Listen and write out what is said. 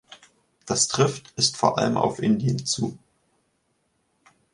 Das trifft ist vor allem auf Indien zu.